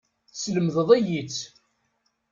Teslemdeḍ-iyi-tt.